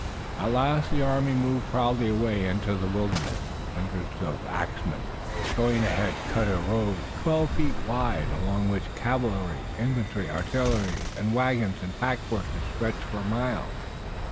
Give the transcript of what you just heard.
At last the army moved proudly away into the wilderness. Hundreds of axmen, going ahead, cut a road twelve feet wide, along which cavalry, infantry, artillery and wagons and pack horses stretched for miles.